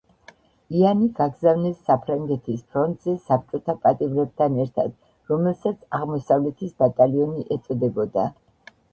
იანი გაგზავნეს საფრანგეთის ფრონტზე საბჭოთა პატიმრებთან ერთად, რომელსაც „აღმოსავლეთის ბატალიონი“ ეწოდებოდა.